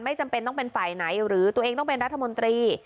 จำเป็นต้องเป็นฝ่ายไหนหรือตัวเองต้องเป็นรัฐมนตรี